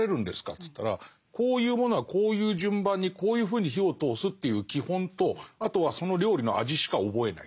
っつったら「こういうものはこういう順番にこういうふうに火を通すっていう基本とあとはその料理の味しか覚えない。